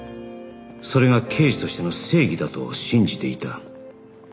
それが刑事としての正義だと信じていた